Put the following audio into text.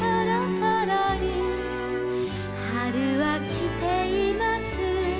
「はるはきています」